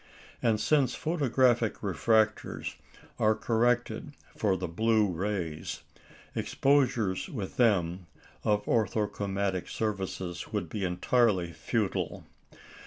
And since photographic refractors are corrected for the blue rays, exposures with them of orthochromatic surfaces would be entirely futile.